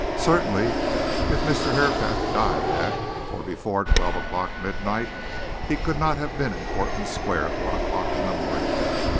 Certainly, if Mr. Herapath died at, or before, twelve o'clock midnight, he could not have been in Portman Square at one o'clock in the morning!